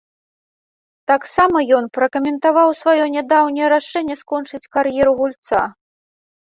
Таксама ён пракаментаваў сваё нядаўняе рашэнне скончыць кар'еру гульца.